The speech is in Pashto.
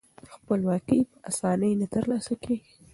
خپلواکي په اسانۍ نه ترلاسه کیږي.